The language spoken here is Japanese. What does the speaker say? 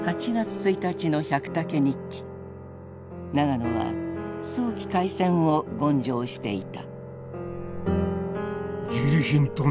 永野は早期開戦を言上していた。